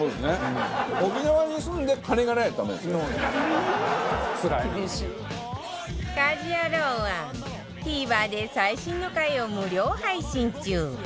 「家事ヤロウ！！！」はＴＶｅｒで最新の回を無料配信中。